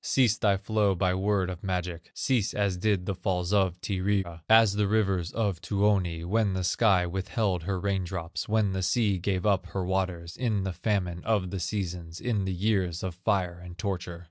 "Cease thy flow, by word of magic, Cease as did the falls of Tyrya, As the rivers of Tuoni, When the sky withheld her rain drops, When the sea gave up her waters, In the famine of the seasons, In the years of fire and torture.